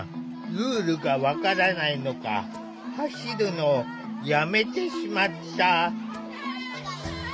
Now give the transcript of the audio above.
ルールが分からないのか走るのをやめてしまった。